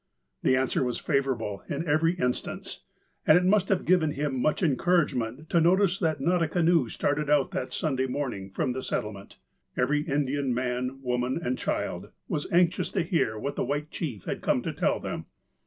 The answer was favourable in every instance, and it must have given him much encouragement to notice that not a canoe started out that Sunday morning from the settlement. Every Indian man, woman, and child was anxious to hear what the white chief had come to tell them.